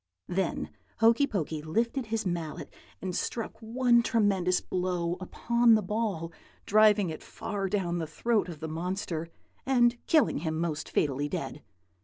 "Then Hokey Pokey lifted his mallet and struck one tremendous blow upon the ball, driving it far down the throat of the monster, and killing him most fatally dead.